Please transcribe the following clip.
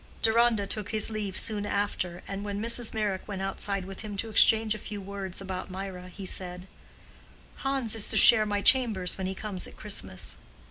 Deronda took his leave soon after, and when Mrs. Meyrick went outside with him to exchange a few words about Mirah, he said, "Hans is to share my chambers when he comes at Christmas."